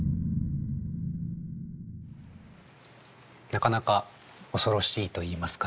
なかなか恐ろしいといいますかね。